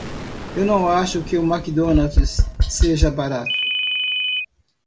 Eu não acho que o McDonald's seja barato.